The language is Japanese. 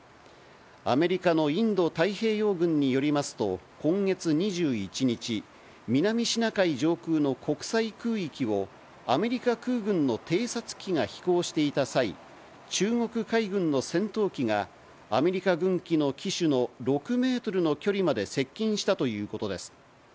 アメリカのインド太平洋軍によりますと、今月２１日、南シナ海上空の国際空域を、アメリカ空軍の偵察機が飛行していた際、中国海軍の戦闘機がアメリカ軍機の機首の６メートルの距離まで接近したということです。